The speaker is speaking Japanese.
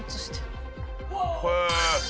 へえ！